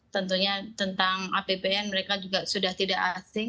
tentunya tentang apbn mereka juga sudah tidak asing